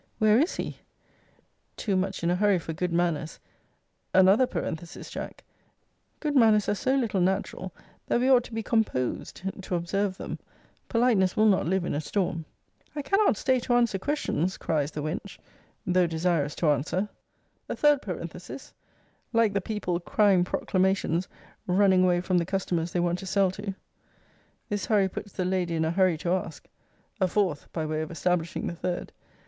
Where is he? Too much in a hurry for good manners, [another parenthesis, Jack! Good manners are so little natural, that we ought to be composed to observe them: politeness will not live in a storm]. I cannot stay to answer questions, cries the wench though desirous to answer [a third parenthesis Like the people crying proclamations, running away from the customers they want to sell to]. This hurry puts the lady in a hurry to ask, [a fourth, by way of establishing the third!